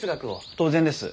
当然です。